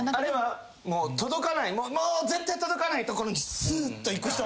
もう届かないもう絶対届かないところにすーっと行く人？